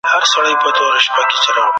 څېړنو د هګۍ دا ګټه ښودلې ده.